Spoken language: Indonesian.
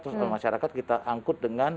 sosial masyarakat kita angkut dengan